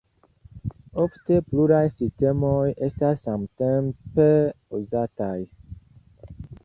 Ofte pluraj sistemoj estas samtempe uzataj.